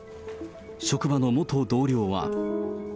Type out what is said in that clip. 職場の元同僚は。